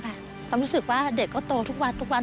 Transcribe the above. ความรู้สึกว่าเด็กก็โตทุกวัน